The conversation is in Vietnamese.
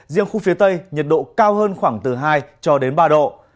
riêng khu phía tây nhiệt độ cao hơn khoảng từ hai cho đến ba độ